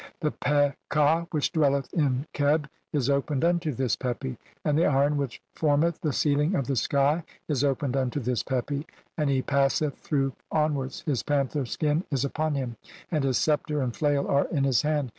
The Peh ka which dwelleth in "Qebh is opened unto this Pepi, and the iron which "formeth the ceiling of the sky is opened unto this "Pepi, and he passeth through onwards ; his panther "skin is upon him, and his sceptre and flail are in his "hand.